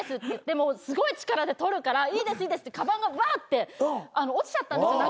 でもすごい力で取るから「いいです」ってかばんがバーッて落ちちゃったんですよ